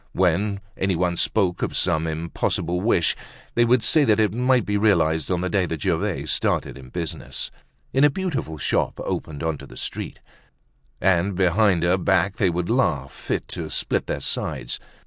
When any one spoke of some impossible wish, they would say that it might be realized on the day that Gervaise started in business, in a beautiful shop opening onto the street. And behind her back they would laugh fit to split their sides.